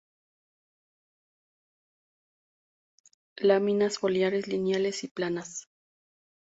Láminas foliares lineales y planas.